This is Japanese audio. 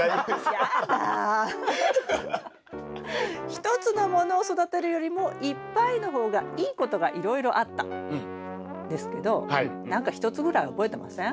１つのものを育てるよりもいっぱいの方がいいことがいろいろあったんですけど何か１つぐらい覚えてません？